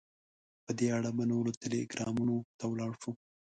په دې اړه به نورو ټلګرامونو ته ولاړ شو.